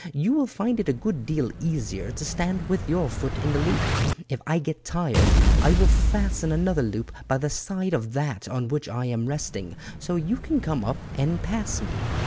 You will find it a good deal easier to stand with your foot in the loop. If I get tired I will fasten another loop by the side of that on which I am resting, so you can come up and pass me.